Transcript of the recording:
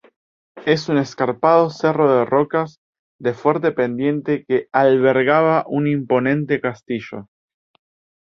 Es un escarpado cerro de rocas de fuerte pendiente que albergaba un imponente castillo.